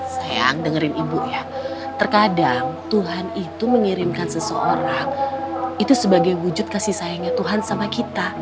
sayang dengerin ibu ya terkadang tuhan itu mengirimkan seseorang itu sebagai wujud kasih sayangnya tuhan sama kita